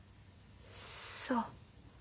そう。